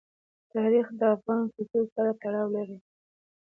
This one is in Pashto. تاریخ د افغان کلتور سره تړاو لري.